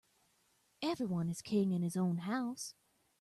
Every one is king in his own house.